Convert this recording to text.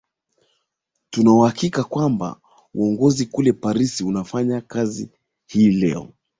tunahakika kwamba uongozi kule paris unawafanyia kazi hii leo